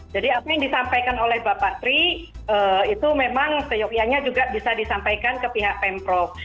jadi apa yang disampaikan oleh bapak tri itu memang seyokianya juga bisa disampaikan ke pihak pemprov